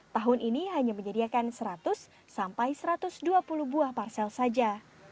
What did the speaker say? tahun ini hanya menyediakan seratus sampai satu ratus dua puluh buah parsel saja